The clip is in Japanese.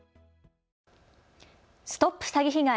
ＳＴＯＰ詐欺被害！